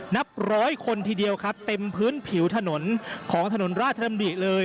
นับร้อยคนทีเดียวครับเต็มพื้นผิวถนนของถนนราชดำริเลย